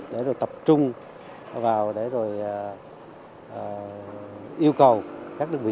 để rồi tập trung vào để rồi yêu cầu các đơn vị